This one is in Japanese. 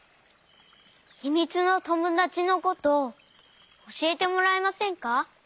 ひみつのともだちのことおしえてもらえませんか？